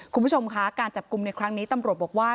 คุณผู้ชมคะการจับกลุ่มในครั้งนี้ตำรวจบอกว่า